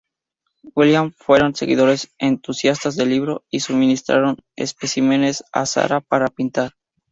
Williams fueron seguidores entusiastas del libro; y, suministraron especímenes a Sarah para pintar.